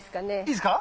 いいですか？